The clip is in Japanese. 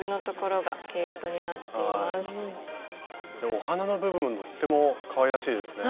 お花の部分とってもかわいらしいですね。